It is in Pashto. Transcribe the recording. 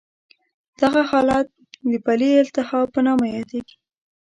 دغه حالت د پلې د التهاب په نامه یادېږي.